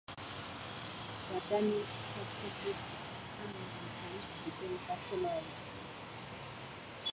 The Danish Post Office, Army, and Police became customers.